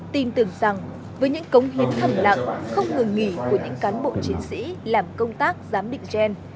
tin tưởng rằng với những cống hiến thầm lặng không ngừng nghỉ của những cán bộ chiến sĩ làm công tác giám định gen